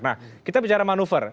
nah kita bicara manuver